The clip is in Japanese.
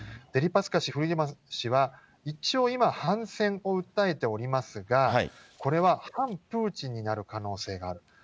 デリパスカ氏、フリードマン氏は、一応今、反戦を訴えておりますが、これは反プーチンになる可能性がある。